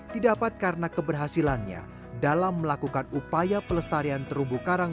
didapat karena keberhasilannya dalam melakukan upaya pelestarian terumbu karang